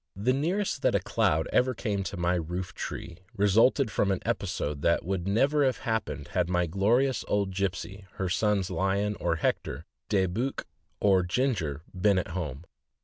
The nearest that a cloud ever came to my roof tree resulted from an episode that would never have happened had my glorious old Gipsey, her sons Lion or Hector, De Buch or Ginger, been at home.